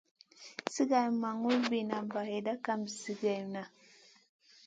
Sigar ma ŋurbiya barey kam zigèwna.